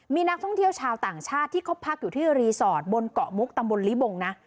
มีนักท่องเที่ยวชาวต่างชาติที่เขาพักอยู่ที่รีสอร์ทบนเกาะมุกตำบลลิบงนะ